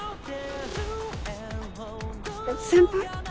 先輩？